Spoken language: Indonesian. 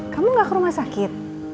kamu gak ke rumah sakit